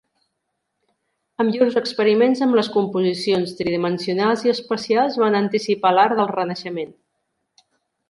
Amb llurs experiments amb les composicions tridimensionals i espacials van anticipar l'art del Renaixement.